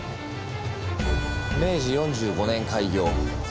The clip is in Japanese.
明治４５年開業。